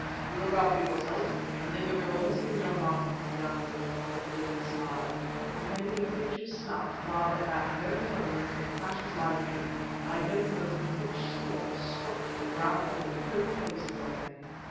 "You look after yourself, and think of your own sins, young man," he answered, with a grim smile, and taking a pinch of snuff, while at that very moment a flash of lightning, I don't know from which storm, struck the ground within thirty paces of me.